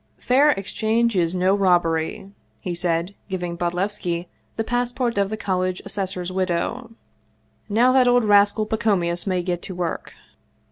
" Fair exchange is no robbery," he said, giving Bodlev ski the passport of the college assessor's widow. " Now that old rascal Pacomius may get to work."